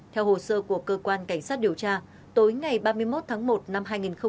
theo hồ sơ của cơ quan cảnh sát điều tra tối ngày ba mươi một tháng một năm hai nghìn hai mươi